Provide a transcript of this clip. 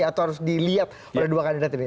atau harus dilihat oleh dua kandidat ini